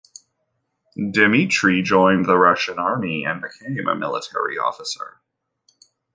Dimitrie joined the Russian army and became a military officer.